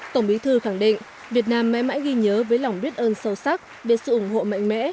tổng bí thư khẳng định việt nam mãi mãi ghi nhớ với lòng biết ơn sâu sắc về sự ủng hộ mạnh mẽ